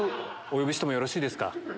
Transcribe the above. お呼びしてもよろしいですか？